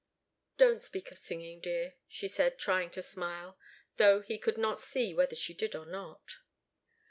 "Don't speak of singing, dear," she said, trying to smile, though he could not see whether she did or not.